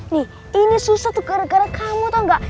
nih ini susah tuh gara gara kamu tau gak